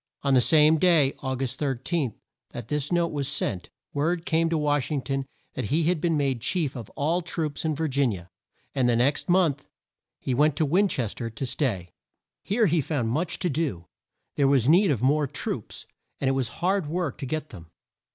On the same day, Au gust 13, that this note was sent, word came to Wash ing ton that he had been made chief of all the troops in Vir gin i a, and the next month he went to Win ches ter to stay. Here he found much to do. There was need of more troops, and it was hard work to get them.